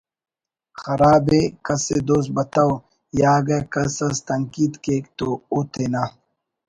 خراب ءِ کس ءِ دوست بتو یا اگہ کس اس تنقید کیک تو او تینا